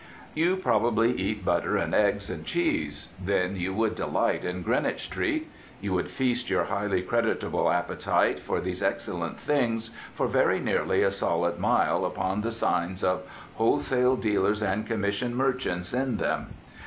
You probably eat butter, and eggs, and cheese. Then you would delight in Greenwich Street. You could feast your highly creditable appetite for these excellent things for very nearly a solid mile upon the signs of "wholesale dealers and commission merchants" in them.